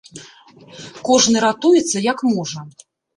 Кожны ратуецца, як можа.